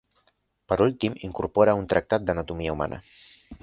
Per últim incorpora un tractat d'anatomia humana.